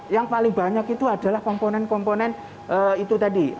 yang paling banyak itu adalah komponen komponen itu tadi